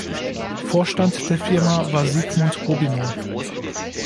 Vorstand der Firma war Siegmund Robinow.